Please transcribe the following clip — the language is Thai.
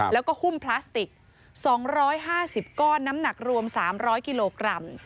แล้วก็หุ้มพลาสติก๒๕๐ก้อนน้ำหนักรวม๓๐๐กิโลกรัม